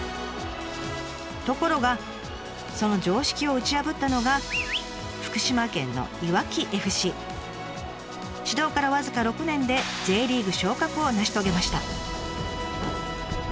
ところがその常識を打ち破ったのが福島県の始動から僅か６年でＪリーグ昇格を成し遂げました。